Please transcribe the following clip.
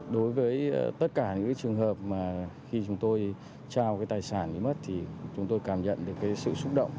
đối với tất cả những trường hợp mà khi chúng tôi trao tài sản bị mất thì chúng tôi cảm nhận được cái sự xúc động